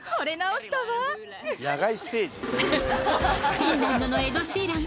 フィンランドのエド・シーラン